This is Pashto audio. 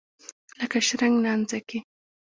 لکه شرنګ نانځکې.